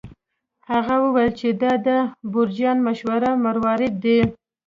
هغه وویل چې دا د بورجیا مشهور مروارید دی.